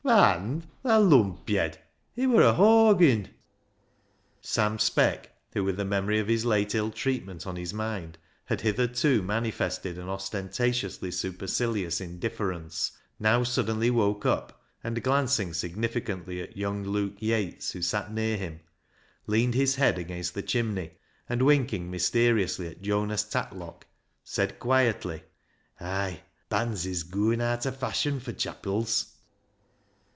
" Band ? thaa lumpyed ; it wur a horgin." Sam Speck, who, with the memory of his late ill treatment on his mind, had hitherto mani fested an ostentatiously supercilious indifference, now suddenly woke up, and glancing significantly at young Luke Yates, who sat near him, leaned his head against the chimney, and winking mysteriously at Jonas Tatlock, said quietly —" Ay ! bands is gooin' aat o' fashion fur chapils."